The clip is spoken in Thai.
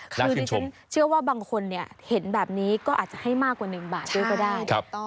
คือดิฉันเชื่อว่าบางคนเห็นแบบนี้ก็อาจจะให้มากกว่า๑บาทด้วยก็ได้